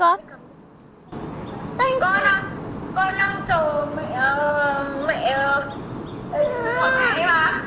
con đang chờ mẹ một ngày mà